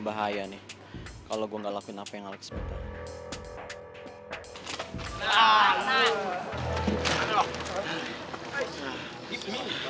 pak tarik aku tuh ke temen gue yuk